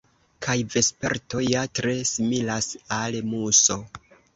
Kaj vesperto ja tre similas al muso.